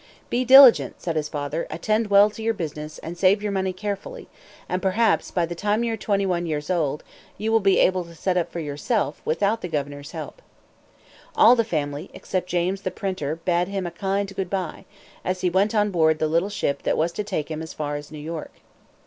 "Be diligent," said his father, "attend well to your business, and save your money carefully, and, perhaps, by the time you are twenty one years old, you will be able to set up for yourself without the governor's help." All the family, except James the printer, bade him a kind good bye, as he went on board the little ship that was to take him as far as New York.